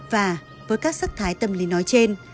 và với các sắc thái tâm lý nói trên